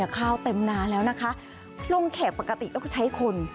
ข้าวเต็มนาแล้วนะคะลงแขกปกติก็คือใช้คน